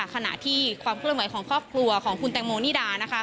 ขณะที่ความเคลื่อนไหวของครอบครัวของคุณแตงโมนิดา